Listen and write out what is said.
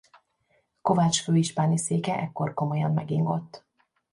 Kovács főispáni széke ekkor komolyan megingott.